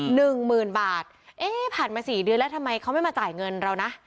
หนึ่งหมื่นบาทเอ๊ะผ่านมาสี่เดือนแล้วทำไมเขาไม่มาจ่ายเงินเรานะ